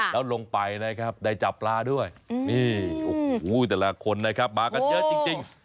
แล้วลงไปนะครับได้จับปลาด้วยนี่โอ้โหแต่ละคนนะครับมากันเยอะจริง